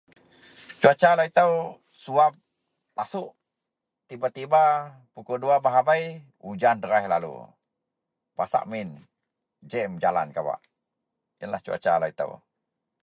cuaca lau itou suab lasuk, tiba-tiba pukul dua bah abei ujan deraih lalu, basak min, jem jalan kawak, ienlah cuaca lau itou